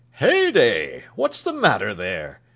'Heyday! what's the matter there?